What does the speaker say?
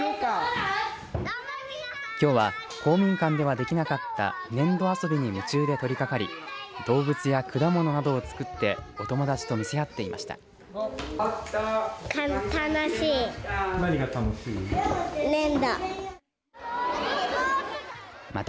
きょうは公民館ではできなかった粘土遊びに夢中で取り掛かり動物や果物などを作ってお友達と見せ合っていました。